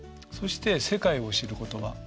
そして世界を知る言葉。